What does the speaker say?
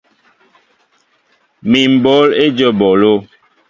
Mi mɓǒl éjom eɓólo.